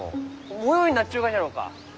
模様になっちゅうがじゃろうか？